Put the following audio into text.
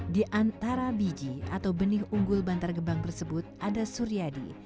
di antara biji atau benih unggul bantar gebang tersebut ada suryadi